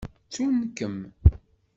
Ttun-kem.